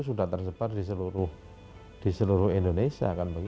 sudah tersebar di seluruh indonesia